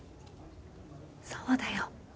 そうだよ。